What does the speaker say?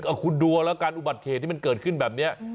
เอาคุณดูเอาแล้วกันอุบัติเหตุที่มันเกิดขึ้นแบบนี้